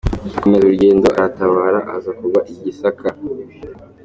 Akomeza urugendo aratabara aza kugwa i Gisaka.